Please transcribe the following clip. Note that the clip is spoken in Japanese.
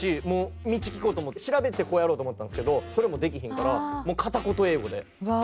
道聞こうと思って調べてこうやろうと思ったんですけどそれもできひんからもう。